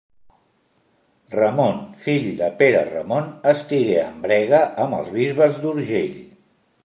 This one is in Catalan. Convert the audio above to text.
Ramon, fill de Pere Ramon, estigué en brega amb els bisbes d'Urgell.